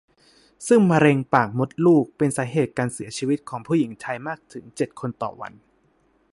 ซึ่งมะเร็งปากมดลูกเป็นสาเหตุการเสียชีวิตของผู้หญิงไทยมากถึง เจ็ด คนต่อวัน